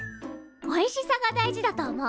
おいしさが大事だと思う。